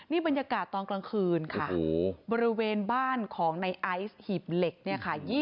นี่บรรยากาศตอนกลางคืนค่ะบริเวณบ้านของในไอซ์หีบเหล็กเนี่ยค่ะ